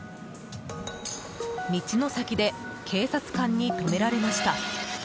道の先で警察官に止められました。